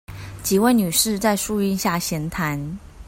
幾位女士在樹陰下閒談